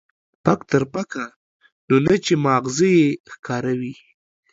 پک تر پکه، نو نه چې ما غزه يې ښکاره وي.